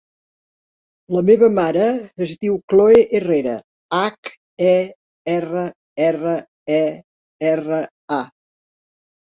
La meva mare es diu Khloe Herrera: hac, e, erra, erra, e, erra, a.